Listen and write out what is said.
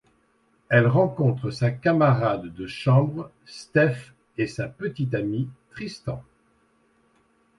Elle rencontre sa camarade de chambre, Steph et sa petite-amie Tristan.